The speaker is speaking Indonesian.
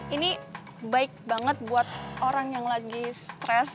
ini baik banget buat orang yang lagi stres